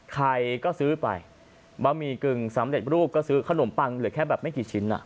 ใครก็ซื้อไปบะหมี่กึ่งสำเร็จรูปก็ซื้อขนมปังเหลือแค่แบบไม่กี่ชิ้น